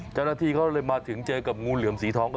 เจ้าหน้าที่เขาเลยมาถึงเจอกับงูเหลือมสีทอง